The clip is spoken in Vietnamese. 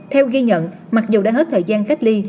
theo ghi nhận mặc dù đang hết thời gian cách ly